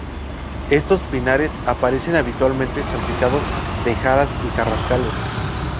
Estos pinares aparecen habitualmente salpicados de jaras y carrascales.